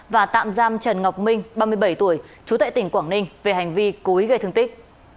và tạm giam trần ngọc minh ba mươi bảy tuổi chú tệ tỉnh quảng ninh về hành vi cúi gây thương tích